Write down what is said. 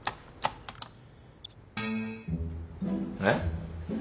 えっ？